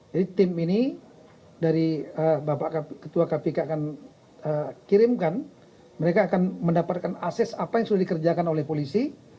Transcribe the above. jadi tim ini dari bapak ketua kpk akan kirimkan mereka akan mendapatkan akses apa yang sudah dikerjakan oleh polisi